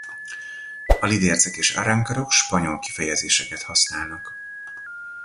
A lidércek és arrancarok spanyol kifejezéseket használnak.